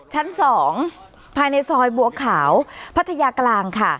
ชั้น๒ภายในซอยบัวขาวพัทยากลางค่ะ